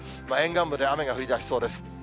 沿岸部で雨が降りだしそうです。